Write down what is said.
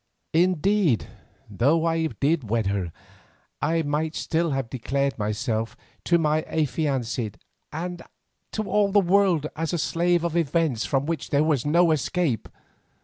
Indeed, though I did wed her, I might still have declared myself to my affianced and to all the world as a slave of events from which there was no escape.